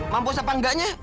mampus apa enggaknya